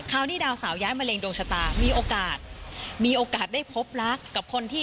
การที่ย้ายเข้ามาเนี่ยก็ทำให้ชีวิตเขาเนี่ย